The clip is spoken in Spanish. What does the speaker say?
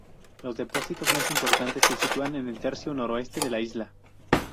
Los depósitos más importantes se sitúan en el tercio noroeste de la isla.